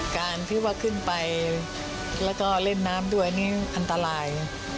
การที่ว่าขึ้นไปแล้วก็เล่นน้ำด้วยนี่อันตราย